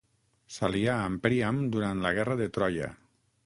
S'alià amb Príam durant la guerra de Troia.